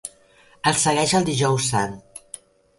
El segueix el Dijous Sant.